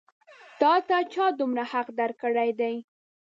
تا ته چا دومره حق درکړی دی؟